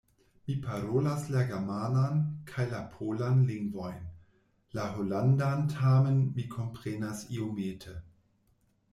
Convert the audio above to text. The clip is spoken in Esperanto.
Mi parolas la germanan kaj la polan lingvojn; la holandan tamen mi komprenas iomete.